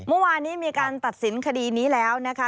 เมื่อวานนี้มีการตัดสินคดีนี้แล้วนะคะ